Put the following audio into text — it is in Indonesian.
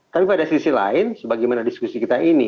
tapi pada sisi lain sebagaimana diskusi kita ini